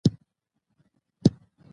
ځنګل د طبیعي ژوند برخه ده.